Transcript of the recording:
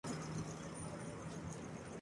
Hay dos rondas distintas en The Four.